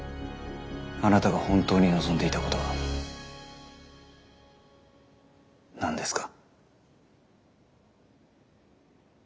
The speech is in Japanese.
あなたが本当に望んでいたことは何ですか？